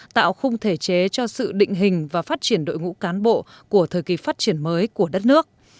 tạo khung thể chế cho sự định hình và phát triển đội ngũ cán bộ của thời kỳ phát triển mới của đất nước